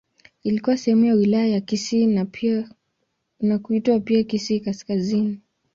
Ilikuwa sehemu ya Wilaya ya Kisii na kuitwa pia Kisii Kaskazini.